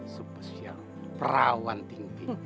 superial perawan tinggi